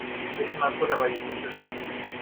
Jetzt mal Butter bei die Fische.